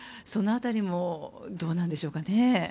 その辺りもどうなんでしょうか。